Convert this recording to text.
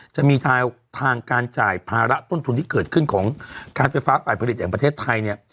จะมีทางการจ่ายภาระต้นทุนที่เกิดขึ้นของการไฟฟ้าฝ่ายผลิตแห่งประเทศไทยเนี่ย